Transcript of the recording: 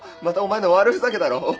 またお前の悪ふざけだろ？